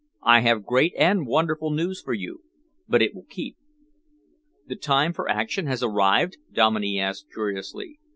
I have great and wonderful news for you. But it will keep." "The time for action has arrived?" Dominey asked curiously.